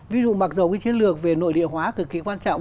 ví dụ mặc dù cái chiến lược về nội địa hóa cực kỳ quan trọng